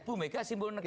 ibu mega simbol negara